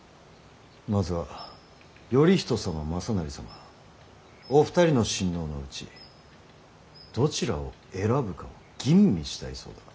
まずは頼仁様雅成様お二人の親王のうちどちらを選ぶかを吟味したいそうだ。